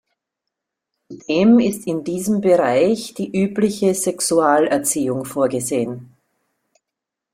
Zudem ist in diesem Bereich die übliche Sexualerziehung vorgesehen.